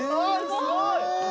すごい！